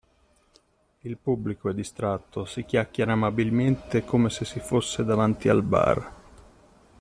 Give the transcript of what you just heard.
Il pubblico è distratto, si chiacchiera amabilmente come se si fosse davanti al bar.